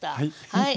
はい。